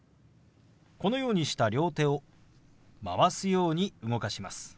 このようにした両手を回すように動かします。